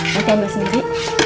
buka mbak sendiri